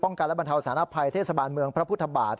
การและบรรเทาสารภัยเทศบาลเมืองพระพุทธบาท